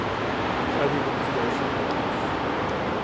So he wants to go somewhere else."